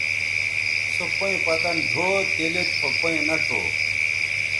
سو پئیں پتَن ڙھؤ تے لید خو پئیں نہ ڇؤ